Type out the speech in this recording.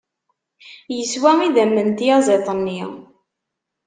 Yeswa idammen n tyaẓiḍt-nni.